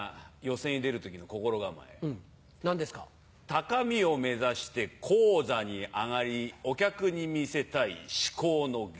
高みを目指して高座に上がりお客に見せたい至高の芸。